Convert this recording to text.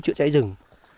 chữa cháy rừng